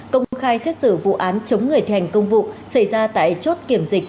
công khai xét xử vụ án chống người thành công vụ xảy ra tại chốt kiểm dịch